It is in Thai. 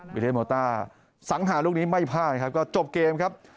เทโมต้าสังหาลูกนี้ไม่พลาดครับก็จบเกมครับ